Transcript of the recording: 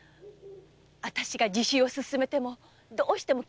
あたしが自首を勧めてもどうしてもききいれないの。